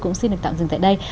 cũng xin được tạm dừng tại đây